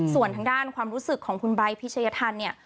ส่วนทางด้านความรู้สึกของคุณไบท์พิชยธรรมเนี่ย